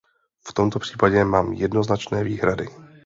V tomto případě mám jednoznačné výhrady.